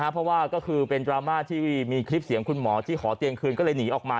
เพราะว่าก็คือเป็นดราม่าที่มีคลิปเสียงคุณหมอที่ขอเตียงคืนก็เลยหนีออกมา